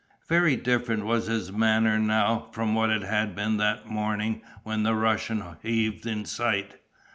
Very different was his manner now from what it had been that morning when the Russian hove in sight.